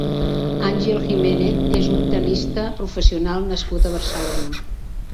Ángel Giménez és un tennista professional nascut a Barcelona.